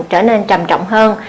trở nên trầm trọng hơn